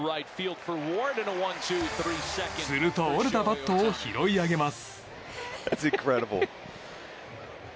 すると折れたバットを拾い上げます。